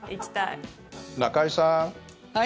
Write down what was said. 中居さん